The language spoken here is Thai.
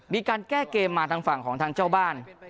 มีการแก้เกมมาทางฝั่งของทางเจ้าบ้าน